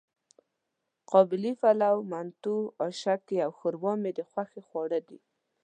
قابلي پلو، منتو، آشکې او ښوروا مې د خوښې خواړه دي.